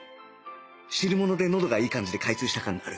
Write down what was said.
汁物でのどがいい感じで開通した感がある